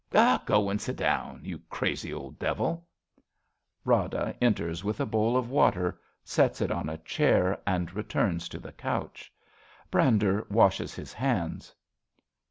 Go and sit down. You crazy old devil ! (Rada enters with a bowl of water, sets it on a chair, and returns to the couch. Brander washes his hands.)